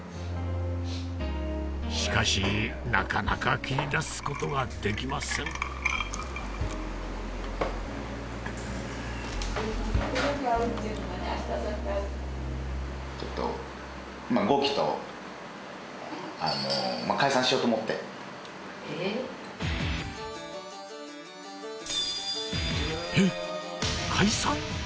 しかしなかなか切り出すことができませんえっ？解散？